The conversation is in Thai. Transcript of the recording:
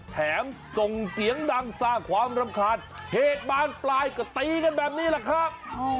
แถมส่งเสียงดังสร้างความรำคาญเหตุบานปลายก็ตีกันแบบนี้แหละครับ